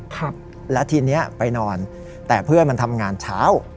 ครับแล้วทีเนี้ยไปนอนแต่เพื่อนมันทำงานเช้า